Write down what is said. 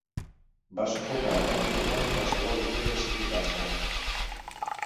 Va sufocar enèrgicament qualsevol intent de sindicar-se.